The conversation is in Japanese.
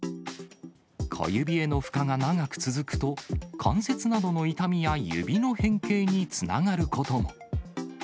小指への負荷が長く続くと、関節などの痛みや指の変形につながることも。